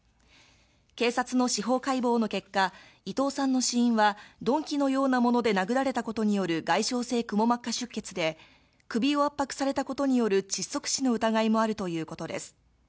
警察の司法解剖の結果、伊藤さんの死因は、鈍器のようなもので殴られたことによる外傷性くも膜下出血で、首を圧迫されたことによる窒息死の疑いもあるということです。